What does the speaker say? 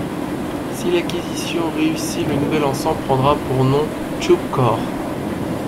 Si l'acquisition réussit le nouvel ensemble prendra pour nom Chubb Corp.